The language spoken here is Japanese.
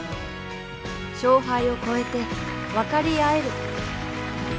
勝敗を超えて分かり合える。